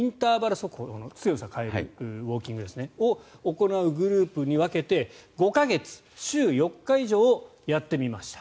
速歩強さを変えるウォーキングを行うグループに分けて５か月、週４日以上やってみました。